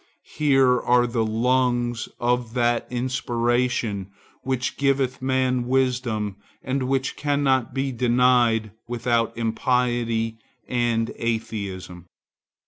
Here are the lungs of that inspiration which giveth man wisdom and which cannot be denied without impiety and atheism.